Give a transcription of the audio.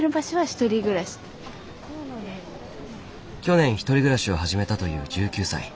去年１人暮らしを始めたという１９歳。